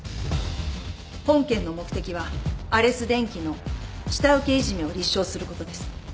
本件の目的はアレス電機の下請けいじめを立証することです。